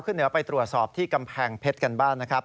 เหนือไปตรวจสอบที่กำแพงเพชรกันบ้างนะครับ